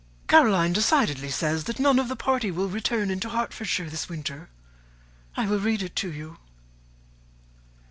"Caroline decidedly says that none of the party will return into Hertfordshire this winter. I will read it to you.